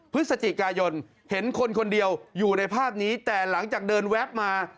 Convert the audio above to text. พฤศจิกายนเห็นคนคนเดียวอยู่ในภาพนี้แต่หลังจากเดินแวบมา